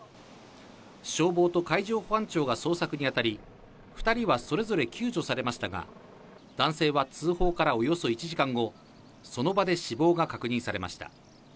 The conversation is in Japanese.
消防と海上保安庁が捜索に当たり、２人はそれぞれ救助されましたが、男性は通報からおよそ１時間後、その場で死亡が確認されました。